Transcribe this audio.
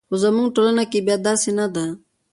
خو زموږ ټولنه کې بیا داسې نه ده.